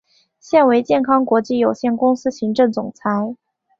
现为健康国际有限公司行政总裁。